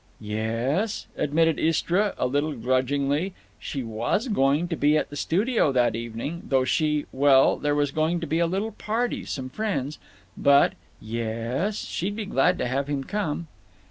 Yes s, admitted Istra, a little grudgingly, she was going to be at the studio that evening, though she—well, there was going to be a little party—some friends—but—yes, she'd be glad to have him come.